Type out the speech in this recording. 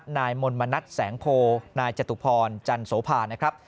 นายมนมณัฐแสงโพนายจตุพรจันโสภานะครับ